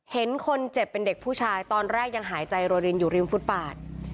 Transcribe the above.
เห็นคนเจ็บเป็นเด็กผู้ชายตอนแรกยังหายใจโรยรินอยู่ริมฟุตปาด